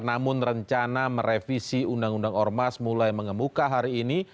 namun rencana merevisi undang undang ormas mulai mengemuka hari ini